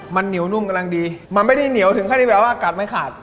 มันเหนียวนุ่มกำลังดีมันไม่ได้เหนียวถึงขั้นที่แบบว่าอากาศไม่ขาด